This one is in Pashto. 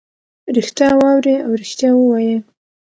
ریښتیا واوري او ریښتیا ووایي.